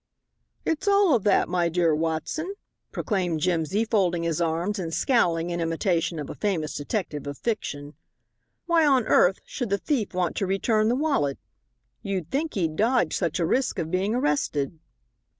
"It's all of that, my dear Watson," proclaimed Jimsy, folding his arms and scowling in imitation of a famous detective of fiction. "Why on earth should the thief want to return the wallet? You'd think he'd dodge such a risk of being arrested."